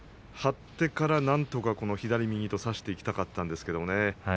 張ってからなんとか左右と差していきたかったんですけどね